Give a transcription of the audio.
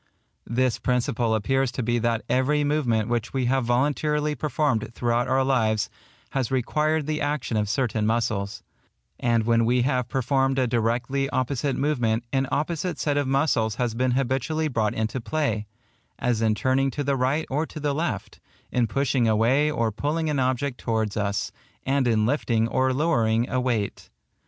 This principle appears to be that every movement which we have voluntarily performed throughout our lives has required the action of certain muscles; and when we have performed a directly opposite movement, an opposite set of muscles has been habitually brought into play,—as in turning to the right or to the left, in pushing away or pulling an object towards us, and in lifting or lowering a weight.